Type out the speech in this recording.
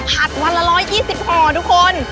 ผัดวันละ๑๒๐หอมทุกคน